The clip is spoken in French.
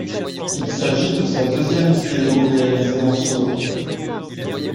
Il s'agit de sa deuxième vidéo réalisée en solo.